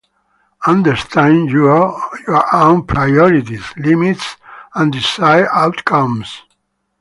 Understand your own priorities, limits, and desired outcomes.